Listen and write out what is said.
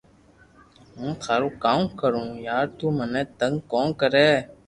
ھون ٿارو ڪاوُ ڪرو يار تو منو تنگ ڪو ڪرو